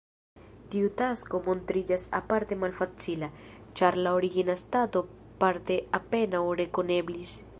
Tiu tasko montriĝis aparte malfacila, ĉar la origina stato parte apenaŭ rekoneblis.